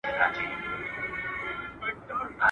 o پردى غم، نيم اختر دئ.